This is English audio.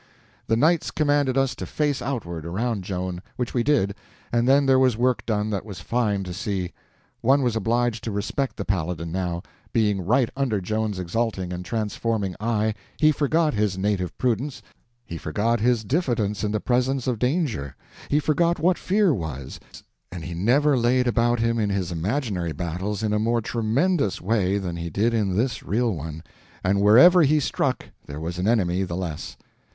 The knights commanded us to face outward around Joan, which we did, and then there was work done that was fine to see. One was obliged to respect the Paladin, now. Being right under Joan's exalting and transforming eye, he forgot his native prudence, he forgot his diffidence in the presence of danger, he forgot what fear was, and he never laid about him in his imaginary battles in a more tremendous way that he did in this real one; and wherever he struck there was an enemy the less.